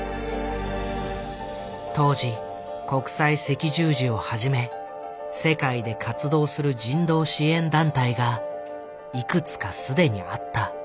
当時国際赤十字をはじめ世界で活動する人道支援団体がいくつか既にあった。